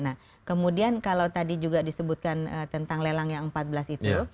nah kemudian kalau tadi juga disebutkan tentang lelang yang empat belas itu